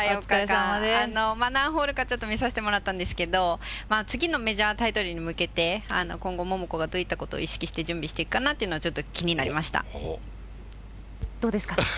何ホールかちょっと見させてもらったんですけれども、次のメジャータイトルに向けて、今後、桃子がどういったことを意識して準備していくかなっていうのは、どうですか。